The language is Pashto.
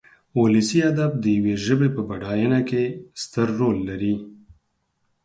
ولسي ادب د يوې ژبې په بډاينه کې ستر رول لري.